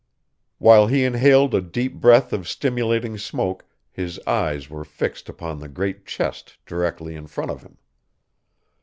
While he inhaled a deep breath of stimulating smoke his eyes were fixed upon the great chest directly in front of him.